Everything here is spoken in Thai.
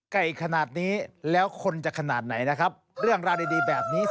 ไก่ขนาดนี้แล้วคนจะขนาดไหนนะครับเรื่องราวดีแบบนี้